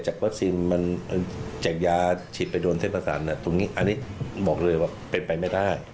จากยาฉีดไปโดนเทศประสานตรงนี้อันนี้บอกเลยว่าเป็นไปไม่ได้